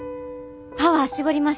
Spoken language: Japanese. パワー絞ります。